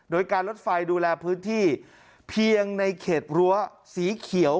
โดยการลดไฟดูแลพื้นที่เพียงในเขตรั้วสีเขียว